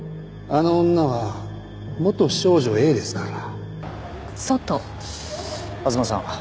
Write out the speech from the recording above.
あの女は元少女Ａですから。